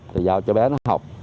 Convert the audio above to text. thì giao cho bé nó học